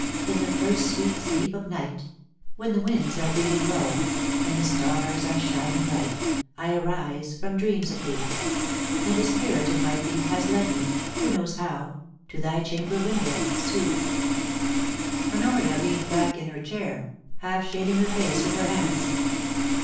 In the first sweet sleep of night, When the winds are breathing low, and the stars are shining bright, I arise from dreams of thee. And a spirit m my feet Has led me — who knows how ?— to thy chamber window, sweet. * Honoria leaned back in her chair, half shading her face with her hands.